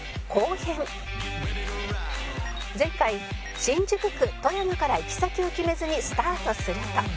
前回新宿区戸山から行き先を決めずにスタートすると